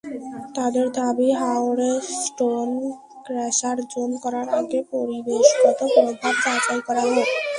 তাদের দাবি—হাওরে stone crusher zone করার আগে পরিবেশগত প্রভাব যাচাই করা হোক।